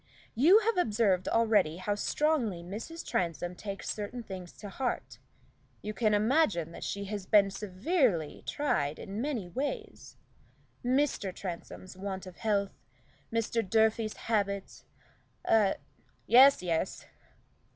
You have observed already how strongly Mrs. Transome takes certain things to heart. You can imagine that she has been severely tried in many ways. Mr. Transome's want of health; Mr. Durfey's habits a " "Yes, yes."